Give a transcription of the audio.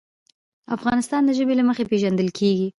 افغانستان د ژبې له مخې پېژندل کېږي.